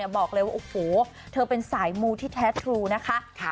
บอกเลยว่าโอ้โหเธอเป็นสายมูที่แท้ทรูนะคะ